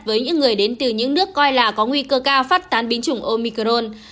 với những người đến từ những nước coi là có nguy cơ cao phát tán biến chủng omicron